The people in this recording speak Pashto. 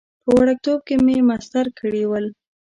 په وړکتوب کې مې مسطر کړي ول.